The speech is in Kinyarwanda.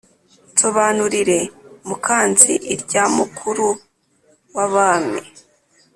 nsobanurire mukanzi irya mukuruwabami,